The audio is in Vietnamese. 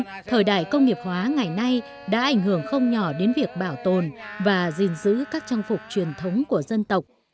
trong thời đại công nghiệp hóa ngày nay đã ảnh hưởng không nhỏ đến việc bảo tồn và gìn giữ các trang phục truyền thống của dân tộc